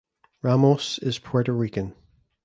Ramos is Puerto Rican.